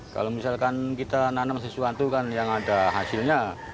kalau misalkan kita nanam sesuatu kan yang ada hasilnya